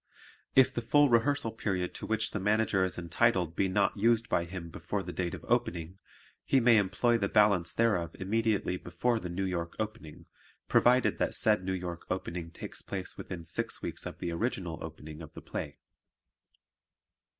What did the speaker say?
If the full rehearsal period to which the Manager is entitled be not used by him before the date of opening, he may employ the balance thereof immediately before the New York opening, provided that said New York opening takes place within six weeks of the original opening of the play.